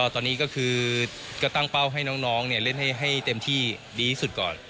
ตอนนี้ก็คือก็ตั้งเป้าให้น้องเล่นให้เต็มที่ดีที่สุดก่อน